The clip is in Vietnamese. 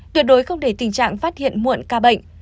tuyệt đối không để tình trạng phát hiện muộn ca bệnh